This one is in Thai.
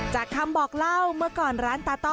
คำบอกเล่าเมื่อก่อนร้านตาต้อ